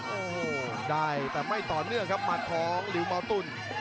โอ้โหได้แต่ไม่ต่อเนื่องครับหมัดของลิวมอลตุ้น